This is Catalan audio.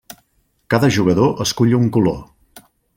Cada jugador escull un color.